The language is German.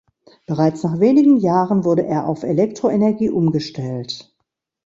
Bereits nach wenigen Jahren wurde er auf Elektroenergie umgestellt.